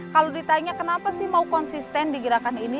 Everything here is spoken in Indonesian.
kalau ditanya kenapa sih mau konsisten di gerakan ini